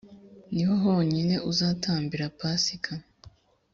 ni ho honyine uzatambira pasika,